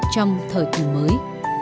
trong thời kỳ mới